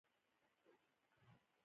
جمعي تعاملونه هغه تعاملونو ته وایي.